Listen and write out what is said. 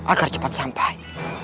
agar cepat sampai